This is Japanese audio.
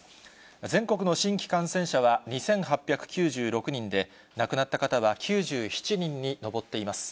全国の新規感染者は２８９６人で、亡くなった方は９７人に上っています。